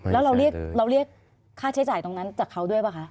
แล้วเราเรียกค่าใช้จ่ายตรงนั้นจากเขาด้วยป่ะคะ